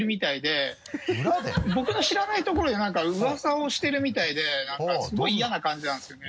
僕の知らないところで何かうわさをしてるみたいで何かすごい嫌な感じなんですよね。